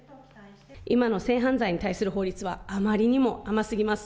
今の性犯罪に対する法律は、あまりにも甘すぎます。